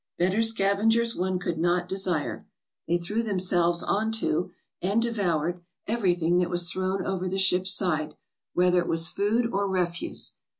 Better scavengers one could not desire. They threw themselves on to, and de voured, everything that was thrown over the ship's side, whether it was food or refuse.